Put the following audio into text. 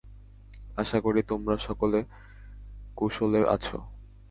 আশা করি তোমরা সকলে কুশলে আছ।